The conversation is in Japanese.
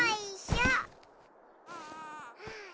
うん。